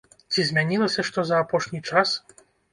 Ці змянілася што за апошні час?